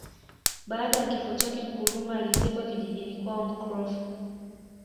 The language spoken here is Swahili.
Baada ya kifo chake Nkrumah alizikwa kijijini kwao Nkrofu